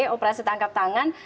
operasi tangkap tangan